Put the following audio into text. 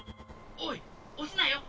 おいおすなよ！